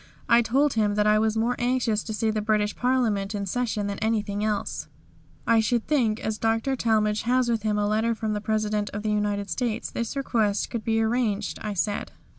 I told him that I was more anxious to see the British Parliament in session than anything else. "I should think, as Dr. Talmage has with him a letter from the President of the United States, this request could be arranged," I said.